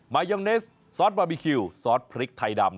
มายองเนสซอสบาร์บีคิวซอสพริกไทยดำ